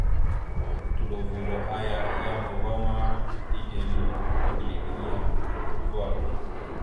Otlovo aya a yam va ma, eɗel eŋgleɗeŋ yam dorvoɗvoɗ.